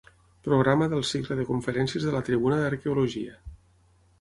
Programa del cicle de conferències de la Tribuna d'Arqueologia.